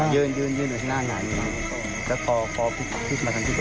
ยืนยืนยืนยึนให้หน้าหน่าย